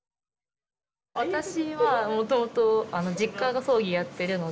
私はもともと実家が葬儀やってるので。